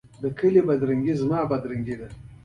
په مقابل کې زیاتره بډایه هېوادونه بیا پراته دي.